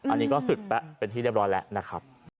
อันนี้ก็ศึกแล้วเป็นที่เรียบร้อยแล้วนะครับ